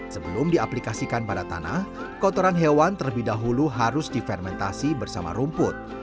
sebelum diaplikasikan pada tanah kotoran hewan terlebih dahulu harus difermentasi bersama rumput